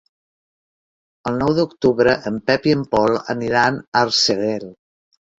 El nou d'octubre en Pep i en Pol aniran a Arsèguel.